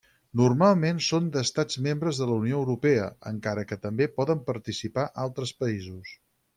Normalment són d'Estats membres de la Unió Europea, encara que també poden participar altres països.